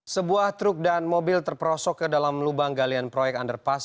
sebuah truk dan mobil terperosok ke dalam lubang galian proyek underpass